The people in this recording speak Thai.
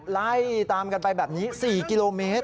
ไล่ตามกันไปแบบนี้๔กิโลเมตร